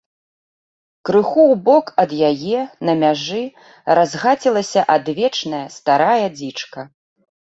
Крыху ў бок ад яе, на мяжы, разгацілася адвечная, старая дзічка.